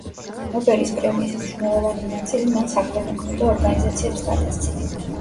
ნობელის პრემიის მნიშვნელოვანი ნაწილი მან საქველმოქმედო ორგანიზაციებს გადასცა.